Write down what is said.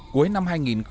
cuối năm hai nghìn hai mươi